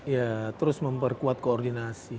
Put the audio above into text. ya terus memperkuat koordinasi